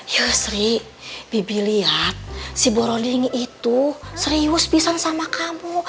yuk sri bibi liat si broding itu serius pisang sama kamu